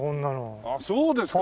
ああそうですか。